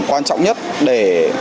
quan trọng nhất để